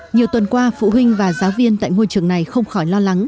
nhiều tuần qua phụ huynh và giáo viên tại ngôi trường này không khỏi lo lắng